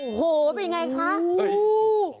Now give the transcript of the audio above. โอ้โหเป็นไงคะ